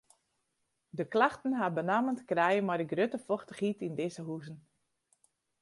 De klachten ha benammen te krijen mei de grutte fochtichheid yn dizze huzen.